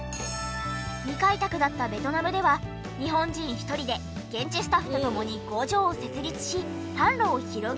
未開拓だったベトナムでは日本人１人で現地スタッフと共に工場を設立し販路を広げ。